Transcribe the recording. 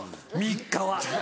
３日は。